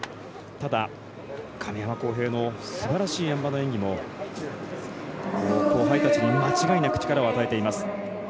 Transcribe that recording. ただ、亀山耕平のすばらしいあん馬の演技も後輩たちに間違いなく力を与えています。